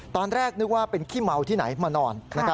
ตอนแรกนึกว่าเป็นขี้เมาที่ไหนมานอน